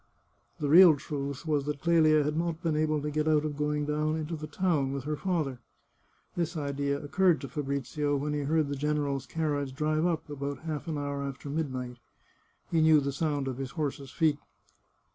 The real truth was that Clelia had not been able to get out of going down into the town with her father. This idea occurred to Fabrizio when he heard the general's car riage drive up, about half an hour after midnight. He knew the sound of his horses' feet.